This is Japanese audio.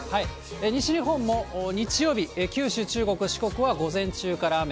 西日本も日曜日、九州、中国、四国は午前中から雨。